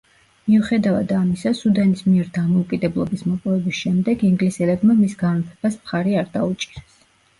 მიუხედავად ამისა სუდანის მიერ დამოუკიდებლობის მოპოვების შემდეგ ინგლისელებმა მის გამეფებას მხარი არ დაუჭირეს.